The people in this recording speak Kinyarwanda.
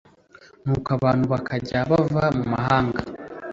nuko abantu bakajya bava mu mahanga